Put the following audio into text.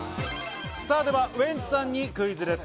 ではウエンツさんにクイズです。